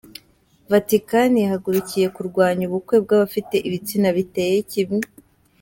Vatikani yahagurukiye kurwanya ubukwe bw’abafite ibitsina biteye kimwe